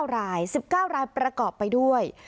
๙ราย๑๙รายประกอบไปด้วย